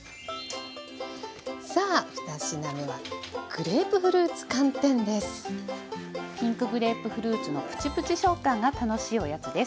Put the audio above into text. さあ２品目はピンクグレープフルーツのプチプチ食感が楽しいおやつです。